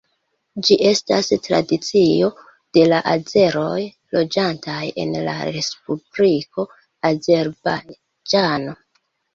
Ĝi estas tradicio de la azeroj loĝantaj en la Respubliko Azerbajĝano.